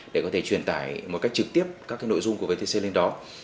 để có thể truyền tải một cách trực tiếp các nội dung của vtc lên đó